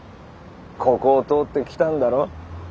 ここを通って来たんだろ？